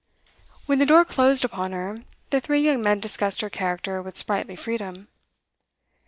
When the door closed upon her, the three young men discussed her character with sprightly freedom.